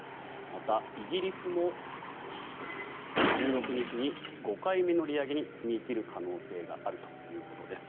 また、イギリスも１６日に５回目の利上げに踏み切る可能性があるということです。